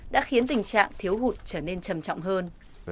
đã khiến tình trạng thiếu hụt trở nên trầm trọng hơn